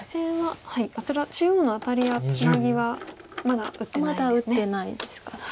あちら中央のアタリやツナギはまだ打ってないですね。